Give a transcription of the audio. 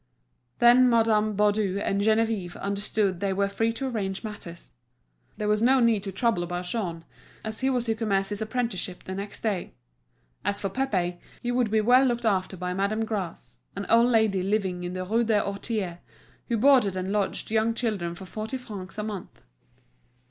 Then Madame Baudu and Geneviève understood they were free to arrange matters. There was no need to trouble about Jean, as he was to commence his apprenticeship the next day. As for Pépé, he would be well looked after by Madame Gras, an old lady living in the Rue des Orties, who boarded and lodged young children for forty francs a month.